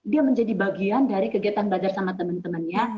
dia menjadi bagian dari kegiatan belajar sama teman temannya